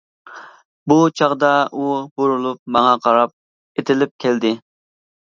بۇ چاغدا ئۇ بۇرۇلۇپ ماڭا قاراپ ئېتىلىپ كەلدى.